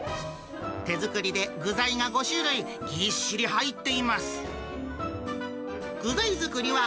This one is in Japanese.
手作りで具材が５種類、ぎっしり入っています。